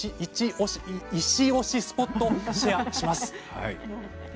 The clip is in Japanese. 石推しスポットをシェアします。